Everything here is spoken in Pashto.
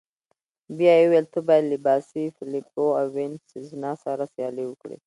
بیا يې وویل: ته باید له باسي، فلیپو او وینسزنا سره سیالي وکړې.